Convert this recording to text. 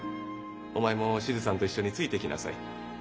お前も志津さんと一緒についてきなさい。